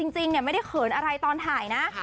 จริงไม่ได้เขินอะไรตอนถ่ายนะ